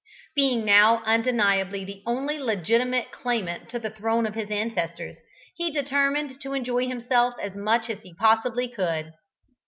Being now undeniably the only legitimate claimant to the throne of his ancestors, he determined to enjoy himself as much as he possibly could.